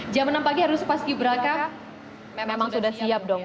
jam enam pagi harus paski beraka memang sudah siap dong